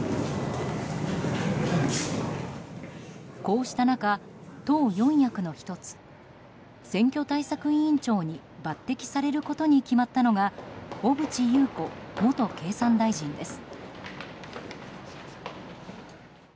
こうした中、党四役の１つ選挙対策委員長に抜擢されることに決まったのが小渕優子元経産大臣です。